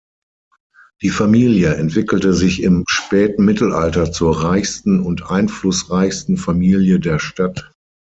Die Familie entwickelte sich im späten Mittelalter zur reichsten und einflussreichsten Familie der Stadt.